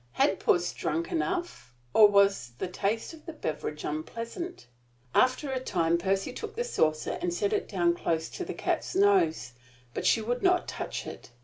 Had puss drunk enough, or was the taste of the beverage unpleasant? After a time Percy took the saucer and set it down close to the cat's nose, but she would not touch it.